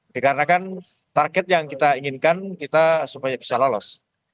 dikarenakan target yang kita inginkan kita supaya bisa lolos